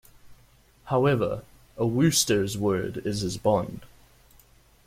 However, a Wooster's word is his bond.